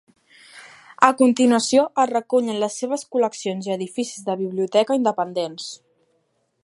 A continuació es recullen les seves col·leccions i edificis de biblioteca independents.